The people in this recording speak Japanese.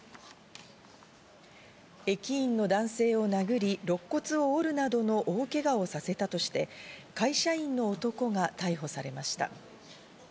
駅員の男性を殴り肋骨を折るなどの大けがをさせたとして、会社員の男が逮捕されました。